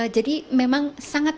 jadi memang sangat